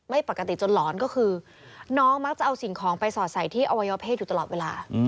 ไม่ปกติจนหลอนก็คือน้องมักจะเอาสิ่งของไปสอดใส่ที่อวัยวเพศอยู่ตลอดเวลา